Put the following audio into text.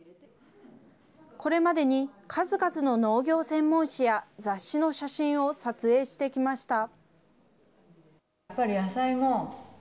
これまでに数々の農業専門誌や雑誌の写真を撮影してきました。